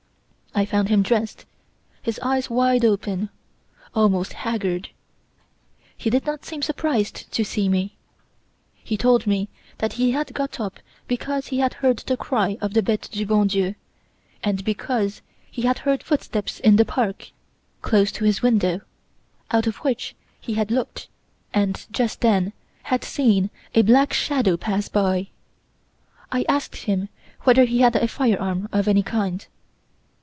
"I found him dressed, his eyes wide open, almost haggard. He did not seem surprised to see me. He told me that he had got up because he had heard the cry of the Bete du bon Dieu, and because he had heard footsteps in the park, close to his window, out of which he had looked and, just then, had seen a black shadow pass by. I asked him whether he had a firearm of any kind.